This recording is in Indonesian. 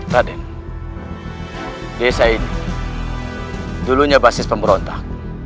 tadi desa ini dulunya basis pemberontak